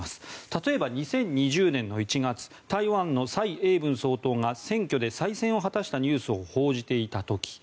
例えば、２０２０年の１月台湾の蔡英文総統が選挙で再選を果たしたニュースを報じていた時。